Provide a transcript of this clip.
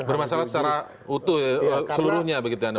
bermasalah secara utuh ya seluruhnya begitu anda berarti